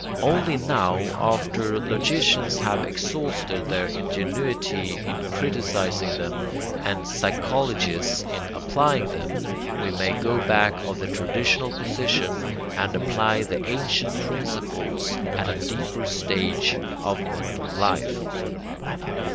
Only now, after logicians have exhausted their ingenuity in criticising them and psychologists in applying them, we may go back of the traditional position and apply the ancient principles at a deeper stage of mental life.